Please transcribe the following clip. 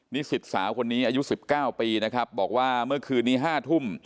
นิสิตสาวคนนี้อายุ๑๙ปีนะครับบอกว่าเมื่อคืนนี้๕ทุ่ม